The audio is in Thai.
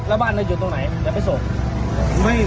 แล้วบ้านเราอยู่ตรงไหนเดี๋ยวไปส่ง